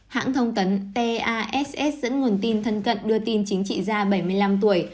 hãng thông tấn tass dẫn nguồn tin thân cận đưa tin chính trị gia bảy mươi năm tuổi